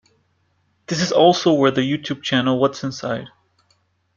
This is also where the YouTube channel Whats Inside?